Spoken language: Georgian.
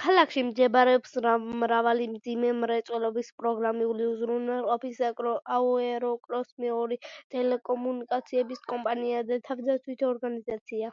ქალაქში მდებარეობს მრავალი მძიმე მრეწველობის, პროგრამული უზრუნველყოფის, აეროკოსმოსური, ტელეკომუნიკაციების კომპანია და თავდაცვითი ორგანიზაცია.